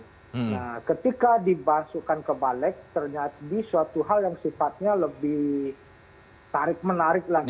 nah ketika dibasuhkan kebalik ternyata jadi suatu hal yang sifatnya lebih menarik lagi kepentingan